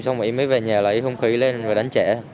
xong rồi em mới về nhà lấy hung khí lên và đánh trẻ